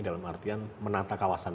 dalam artian menata kawasan